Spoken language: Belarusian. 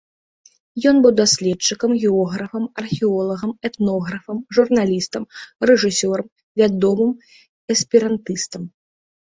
Ён быў даследчыкам, географам, археолагам, этнографам, журналістам, рэжысёрам, вядомым эсперантыстам.